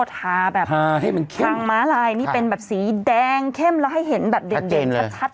ทาแบบไม่ทางมาลัยนี่เป็นแบบสีแดงเข้มแล้วให้เห็นแบบเด็ดเด็ดชัด